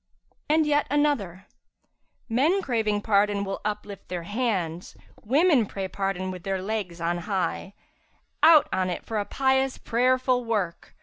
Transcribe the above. And yet another, 'Men craving pardon will uplift their hands; * Women pray pardon with their legs on high: Out on it for a pious, prayerful work!